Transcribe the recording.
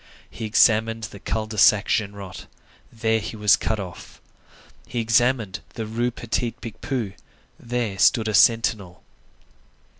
He examined the Cul de Sac Genrot; there he was cut off. He examined the Rue Petit Picpus; there stood a sentinel.